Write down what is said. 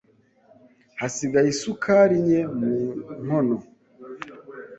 Hasigaye isukari nke mu nkono.